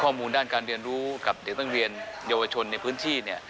ข้อมูลด้านการเรียนรู้กับเด็กนักเรียนเยาวชนในพื้นที่